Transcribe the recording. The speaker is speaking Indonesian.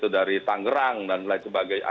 dari tangerang dan lain sebagainya